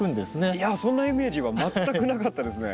いやそんなイメージは全くなかったですね。